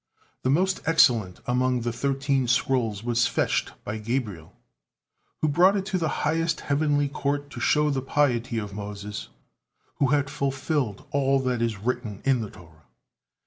The most excellent among the thirteen scrolls was fetched by Gabriel, who brought it to the highest heavenly court to show the piety of Moses, who had fulfilled all that is written in the Torah.